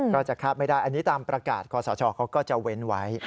ก็จะคาดไม่ได้อันนี้ตามประกาศคอสชเขาก็จะเว้นไว้